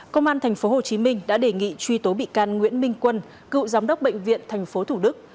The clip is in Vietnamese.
công an tp hcm đã đề nghị truy tố bị can nguyễn minh quân cựu giám đốc bệnh viện tp thủ đức